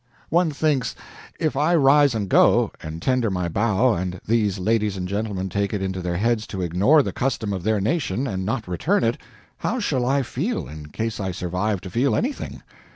One thinks, "If I rise to go, and tender my bow, and these ladies and gentlemen take it into their heads to ignore the custom of their nation, and not return it, how shall I feel, in case I survive to feel anything."